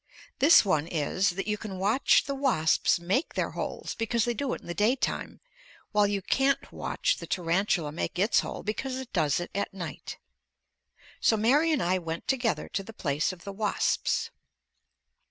This one is, that you can watch the wasps make their holes because they do it in the daytime, while you can't watch the tarantula make its hole because it does it at night. So Mary and I went together to the place of the wasps.